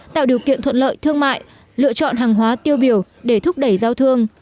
tạo điều kiện thuận lợi thương mại lựa chọn hàng hóa tiêu biểu để thúc đẩy giao thương